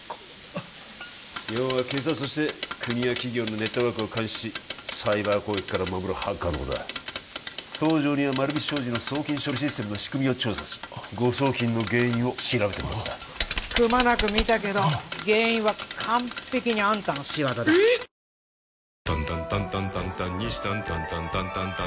あ要は警察として国や企業のネットワークを監視しサイバー攻撃から守るハッカーのことだ東条には丸菱商事の送金処理システムの仕組みを調査し誤送金の原因を調べてもらったくまなく見たけど原因は完璧にあんたの仕業だいつものビール何色ですか？